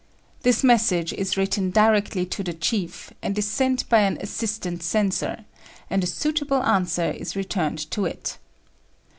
This message is written directly to the chief, and is sent by an assistant censor; and a suitable answer is returned to it.